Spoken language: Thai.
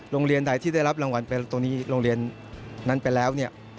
โรงเรียนใดที่ได้รับรางวัลไปตรงนี้โรงเรียนนั้นไปแล้วเนี่ย